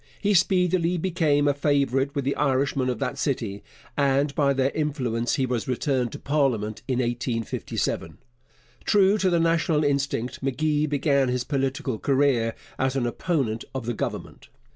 He speedily became a favourite with the Irishmen of that city, and by their influence he was returned to parliament in 1857. True to the national instinct, M'Gee began his political career as an opponent of the Government.